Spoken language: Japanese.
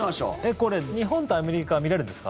これ、日本対アメリカは見れるんですか？